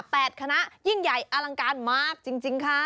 คณะยิ่งใหญ่อลังการมากจริงค่ะ